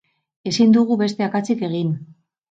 Ezin dugu beste akatsik egin.